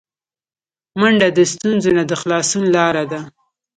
منډه د ستونزو نه د خلاصون لاره ده